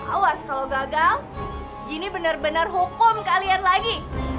awas kalo gagal gini bener bener hukum kalian lagi